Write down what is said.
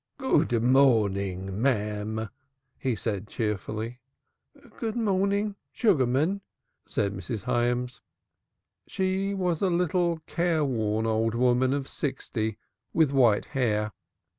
"Good morning, marm," he said cheerfully. "Good morning, Sugarman," said Mrs. Hyams. She was a little careworn old woman of sixty with white hair.